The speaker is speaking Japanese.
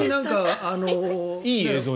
いい映像に。